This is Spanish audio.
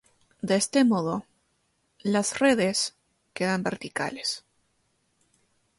De este modo, las redes quedan verticales.